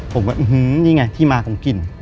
ผมก็อื้อฮือนี่ไงที่มาผมกลิ่น